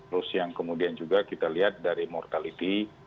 lalu siang kemudian juga kita lihat dari mortality